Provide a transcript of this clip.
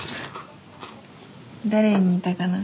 誰に似たかな？